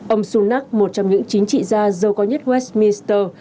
ông sunak một trong những chính trị gia dâu có nhất westminster